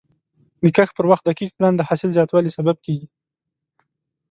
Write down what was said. د کښت پر وخت دقیق پلان د حاصل زیاتوالي سبب کېږي.